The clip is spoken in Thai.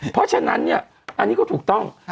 เพราะฉะนั้นเนี่ยอันนี้ก็ถูกต้อง